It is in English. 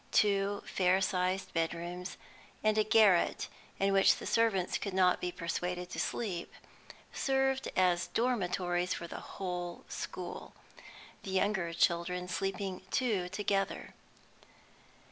Two fair sized bedrooms, and a garret in which the servants could not be persuaded to sleep, served as dormitories for the whole school; the younger children sleeping two together.